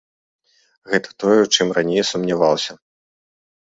Гэта тое, у чым раней сумняваўся.